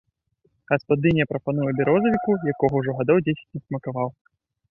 Гаспадыня прапануе бярозавіку, якога ўжо гадоў дзесяць не смакаваў.